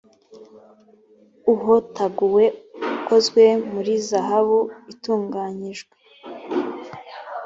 uhotaguye ukozwe muri zahabu itunganyijwe